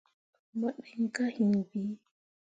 Mo ɗǝn kah hiŋ bii.